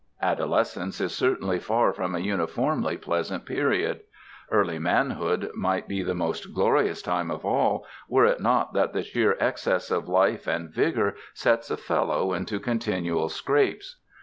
Adolescence is certainly far from a uniformly pleasant period. Early manhood might be the most glorious time of all were it not that the sheer excess of life and vigor gets a fellow into continual scrapes.